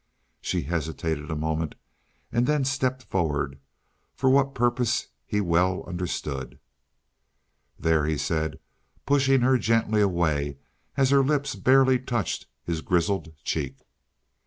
She hesitated a moment, and then stepped forward, for what purpose he well understood. "There," he said, pushing her gently away, as her lips barely touched his grizzled cheek.